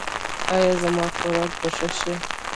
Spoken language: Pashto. ایا زما خوراک به ښه شي؟